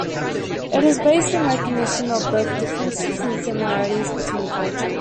It is based on the recognition of both differences and similarities between cultures.